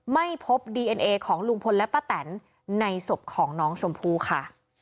ไม่พบดีเอ็นเอของลุงพลและป้าแตนในศพของน้องชมพู่ค่ะ